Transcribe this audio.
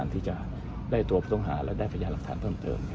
มองว่าเป็นการสกัดท่านหรือเปล่าครับเพราะว่าท่านก็อยู่ในตำแหน่งรองพอด้วยในช่วงนี้นะครับ